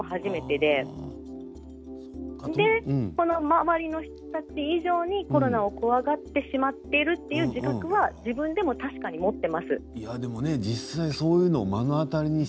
で、周りの人たち以上にコロナを怖がってしまっていると自分でもそういう気持ちを持っています。